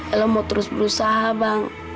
ella mau terus berusaha bang